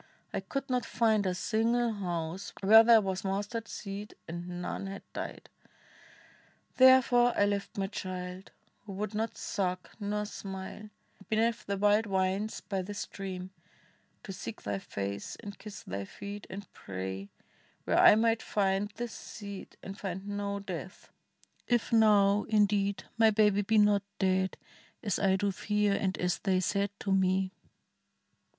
I could not find a single house Where there was mustard seed and none had died ! Therefore I left my child — who would not suck Nor smile — beneath the wild vines by the stream, To seek thy face and kiss thy feet, and pray Where I might find this seed and find no death, If now, indeed, my baby be not dead, As I do fear, and as they said to me."